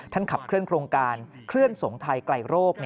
ขับเคลื่อนโครงการเคลื่อนสงไทยไกลโรค